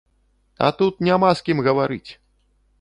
А тут няма з кім гаварыць!